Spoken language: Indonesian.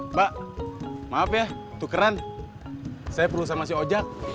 mbak maaf ya tukeran saya perlu sama si ojak